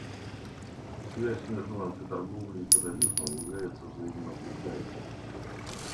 Связь между наркоторговлей и терроризмом является взаимно укрепляющей.